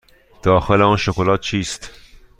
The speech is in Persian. داخل آن شکلات چیست؟